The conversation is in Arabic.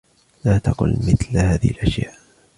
لا تَقُل مِثل هذهِ الأشياء.